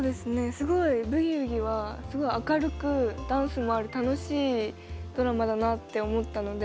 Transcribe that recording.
すごい「ブギウギ」はすごい明るく、ダンスもある楽しいドラマだなって思ったので。